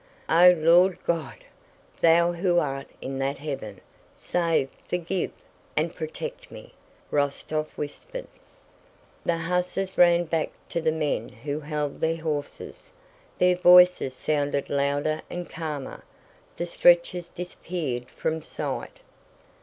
"O Lord God! Thou who art in that heaven, save, forgive, and protect me!" Rostóv whispered. The hussars ran back to the men who held their horses; their voices sounded louder and calmer, the stretchers disappeared from sight.